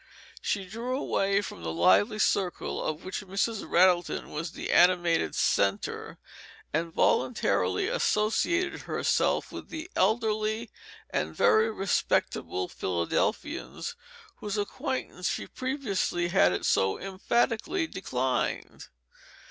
She drew away from the lively circle of which Mrs. Rattleton was the animated centre and voluntarily associated herself with the elderly and very respectable Philadelphians whoso acquaintance she previously had so emphatically declined.